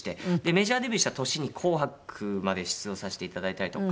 メジャーデビューした年に『紅白』まで出場させていただいたりとか。